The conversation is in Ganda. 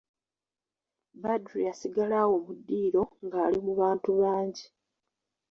Badru yasigala awo mu ddiiro nga ali mu bantu bangi.